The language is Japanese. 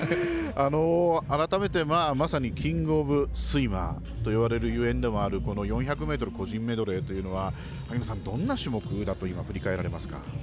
改めてまさにキングオブスイマーといわれるゆえんでもあるこの４００ｍ個人メドレーというのは萩野さん、どんな種目だと振り返られますか？